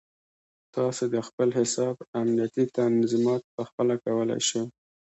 تاسو د خپل حساب امنیتي تنظیمات پخپله کولی شئ.